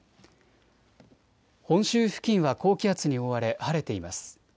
本州付近は高気圧に覆われ晴れています。